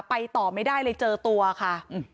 ไปต่อไม่ได้เลยเจอตัวค่ะ